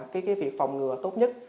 cái việc phòng ngừa tốt nhất